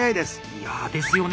いやですよね。